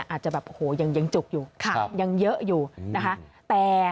อาจจะแบบโอ้โหยังจุกอยู่ยังเยอะอยู่นะคะ